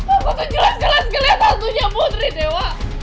aku tuh jelas jelas ngelihat antunya putri dewa